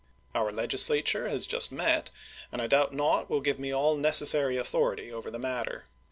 Our Legislature has just met, and I doubt not will give me all necessary authority over the matter.